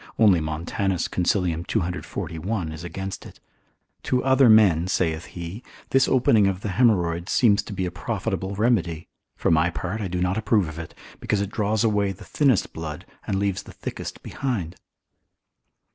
Only Montanus consil. 241. is against it; to other men (saith he) this opening of the haemorrhoids seems to be a profitable remedy; for my part I do not approve of it, because it draws away the thinnest blood, and leaves the thickest behind.